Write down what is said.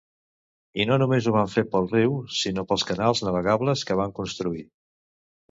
I no només ho van fer pel riu, sinó pels canals navegables que van construir.